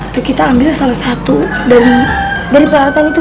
tuh kita ambil salah satu dari pelaratan itu